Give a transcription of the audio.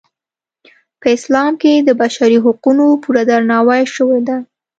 په اسلام کې د بشري حقونو پوره درناوی شوی دی.